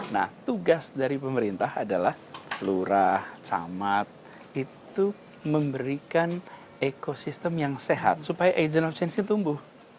nah tugas dari pemerintah adalah lurah camat itu memberikan ekosistem yang sehat supaya agent of change nya tumbuh